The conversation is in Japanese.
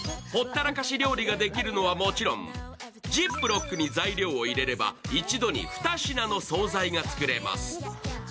ほったらかし料理ができるのはもちろんジップロックに材料を入れれば一度に２品の総菜が作れます。